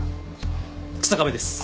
日下部です